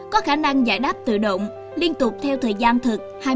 có khả năng giải đáp tự động liên tục theo thời gian thực